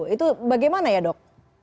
itu bagaimana ya dok